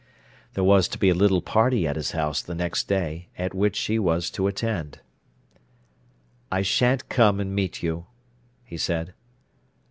There was to be a little party at his house the next day, at which she was to attend. "I shan't come and meet you," he said.